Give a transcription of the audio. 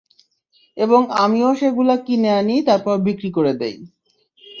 এবং আমিও সেগুলো কিনে আনি তারপর বিক্রি করে দিই।